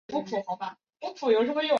其目前为中的效力。